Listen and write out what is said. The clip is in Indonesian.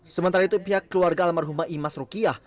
sementara itu pihak keluarga almarhum imas rukiah